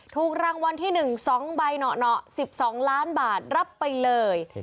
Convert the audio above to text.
ถูกรางวัลที่๑๒ใบหนอ๑๒ล้านบาทรับไปเลย